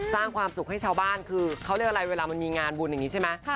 สร้างความสุขให้ชาวบ้านคือเขาเรียกอะไรเวลามันมีงานบุญอย่างนี้ใช่ไหม